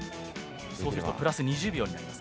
そうするとプラス２０秒になります。